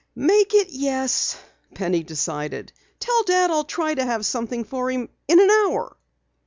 "Make it 'yes,'" Penny decided. "Tell Dad I'll try to have something for him in an hour."